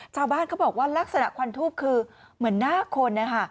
ชาวบ้านเขาบอกว่าลักษณะควันทูบคือเหมือนหน้าคนนะคะ